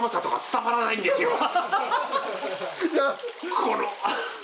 この。